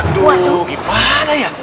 aduh gimana ya